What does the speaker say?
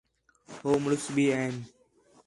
ہو مُݨس بھی این